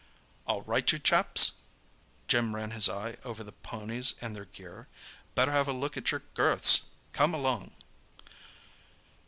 "All right, you chaps?" Jim ran his eye over the ponies and their gear. "Better have a look at your girths. Come along."